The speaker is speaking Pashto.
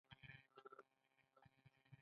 سپین ږیری د خپلو خلکو د امنیت ساتونکي دي